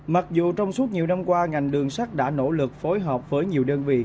mặc dù trong suốt nhiều năm qua ngành đường sắt đã nỗ lực phối hợp với nhiều đơn vị